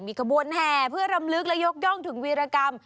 ขบวนแห่เพื่อรำลึกและยกย่องถึงวีรกรรม